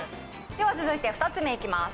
では続いて２つ目いきます。